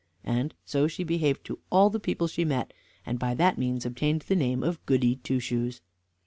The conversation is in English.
And so she behaved to all the people she met, and by that means obtained the name of Goody Two Shoes.